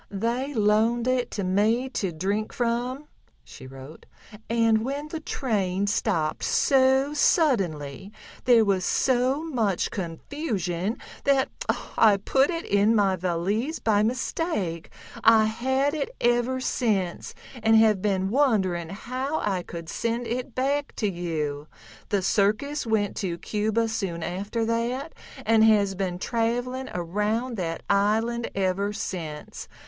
"They loaned it to me to drink from," she wrote, "and when the train stopped so suddenly, there was so much confusion that I put it in my valise by mistake. I have had it ever since and have been wondering how I could send it back to you. The circus went to Cuba soon after that, and has been traveling around that island ever since.